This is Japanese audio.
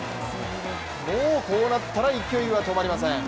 もうこうなったら勢いは止まりません。